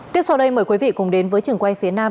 tiếp sau đây mời quý vị cùng đến với trường quay phía nam